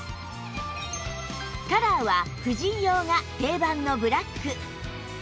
カラーは婦人用が定番のブラック